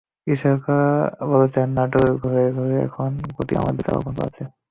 কৃষকেরা বলছেন, নাটোরের ঘরে ঘরে এখন গুটি আমের চারা রোপণ করা হচ্ছে।